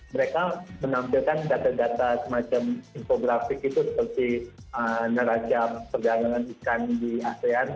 mereka menampilkan data data semacam infografik itu seperti neraca perdagangan ikan di asean